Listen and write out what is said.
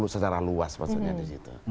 secara luas maksudnya di situ